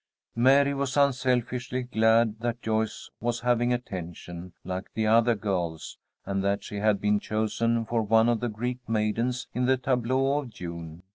Mary was unselfishly glad that Joyce was having attention like the other girls and that she had been chosen for one of the Greek maidens in the tableau of June.